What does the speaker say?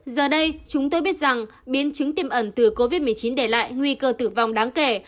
giờ đây chúng tôi biết rằng biến chứng tiêm ẩn từ covid một mươi chín để lại nguy cơ tử vong đáng kể